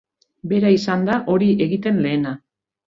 Bera izan da hori egiten lehena.